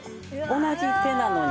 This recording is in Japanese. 同じ手なのに。